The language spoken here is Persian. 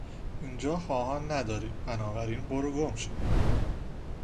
اینجا خواهان نداری بنابراین برو گمشو!